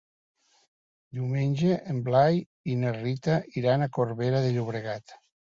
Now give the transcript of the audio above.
Diumenge en Blai i na Rita iran a Corbera de Llobregat.